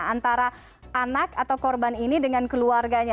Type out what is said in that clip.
antara anak atau korban ini dengan keluarganya